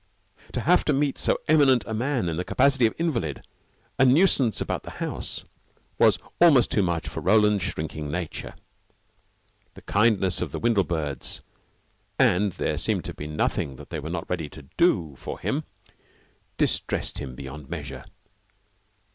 To have to meet so eminent a man in the capacity of invalid, a nuisance about the house, was almost too much for Roland's shrinking nature. The kindness of the Windlebirds and there seemed to be nothing that they were not ready to do for him distressed him beyond measure.